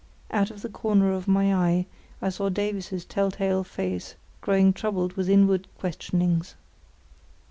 Out of the corner of my eye I saw Davies's tell tale face growing troubled with inward questionings.